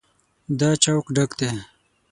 دا چوک ډک دی.